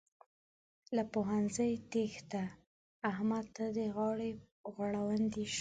له پوهنځي تېښته؛ احمد ته د غاړې غړوندی شو.